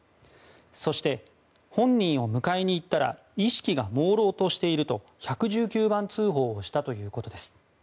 そして、本人を迎えに行ったら意識がもうろうとしていると１１９番通報をしたということです。